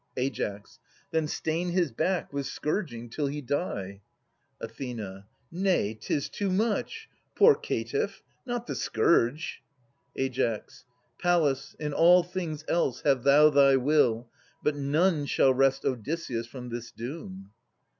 Ai. Then stain his back with scourging till he die. Ath. Nay, 'tis too much. Poor caitiff ! Not the scourge ! Ai. Pallas, in all things else have thou thy will, But none shall wrest Odysseus from this doom.